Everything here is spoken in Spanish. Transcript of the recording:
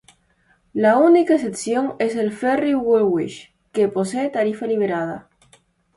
La única excepción es el Ferry Woolwich, que posee tarifa liberada.